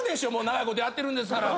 長いことやってるんですから。